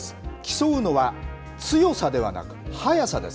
競うのは強さではなく速さです。